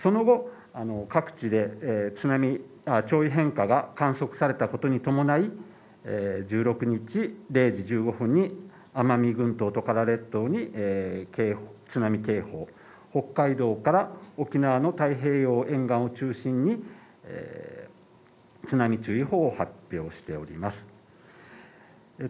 その後各地で津波潮位変化が観測されたことに伴い１６日０時１５分に奄美群島トカラ列島に津波警報、北海道から沖縄の太平洋沿岸を中心に津波注意報を発表しております。